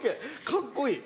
かっこいい。